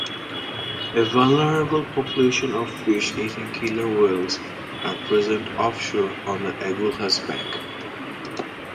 A vulnerable population of fish-eating killer whales are present offshore on the Agulhas Bank.